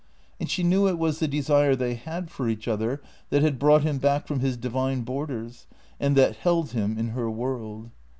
And she knew it was the desire they had for each other that had brought him back from his divine borders and that held him in her world.